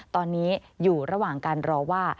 ตอนนี้อยู่ระหว่างการรอว่า